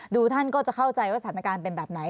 ท่านก็จะเข้าใจว่าสถานการณ์เป็นแบบไหน